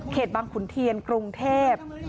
เข็ดบังขุนเทียนกรุงเทพฯ